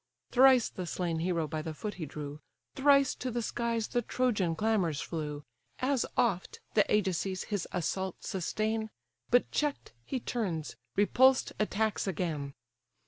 Thrice the slain hero by the foot he drew; Thrice to the skies the Trojan clamours flew: As oft the Ajaces his assault sustain; But check'd, he turns; repuls'd, attacks again.